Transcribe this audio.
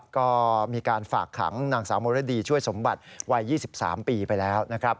ก็มีการฝากขังนางสาวมรดีช่วยสมบัติวัย๒๓ปีไปแล้วนะครับ